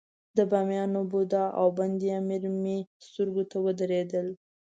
د بامیانو بودا او بند امیر مې سترګو ته ودرېدل.